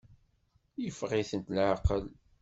Yeffeɣ-itent leɛqel.